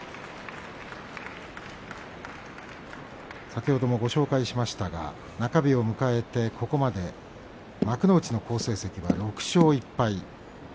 先ほどもご紹介しましたが中日を迎えて、ここまで幕内の好成績は６勝１敗。